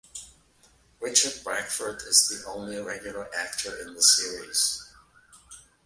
Richard Bradford is the only regular actor in the series.